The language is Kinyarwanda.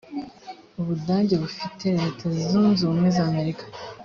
ubudage bufite leta zunze ubumwe z’ amerika.